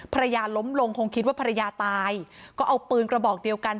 ล้มลงคงคิดว่าภรรยาตายก็เอาปืนกระบอกเดียวกัน